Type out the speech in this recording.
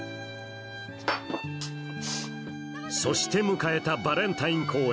そして迎えたバレンタイン公演